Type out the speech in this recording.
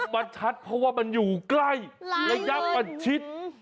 มันชัดเพราะว่ามันอยู่ใกล้ระยะประชิด